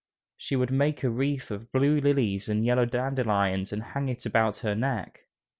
She would make a wreath of blue lilies and yellow dandelions and hang it about her neck.